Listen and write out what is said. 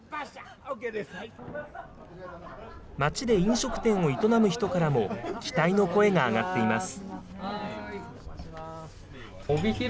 街で飲食店を営む人からも、期待の声が上がっています。